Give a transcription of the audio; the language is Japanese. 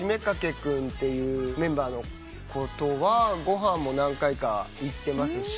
君というメンバーの子とはご飯も何回か行ってますし。